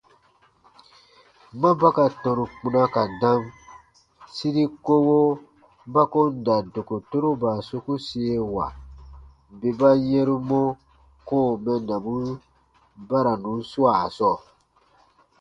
Ma ba ka tɔnu kpuna ka dam, siri kowo ba ko n da dokotoroba sokusiewa bè ba yɛ̃ru mɔ kɔ̃ɔ mɛnnabun baranu swaa sɔɔ.